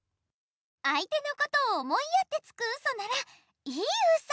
あいてのことを思いやってつくウソならいいウソ。